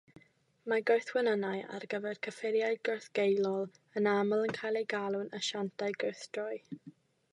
Mae gwrthwenwynau ar gyfer cyffuriau gwrthgeulol yn aml yn cael eu galw'n asiantau gwrthdroi.